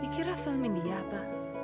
dikira film india apa